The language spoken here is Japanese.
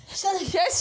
よし！